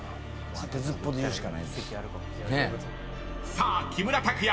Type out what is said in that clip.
［さあ木村拓哉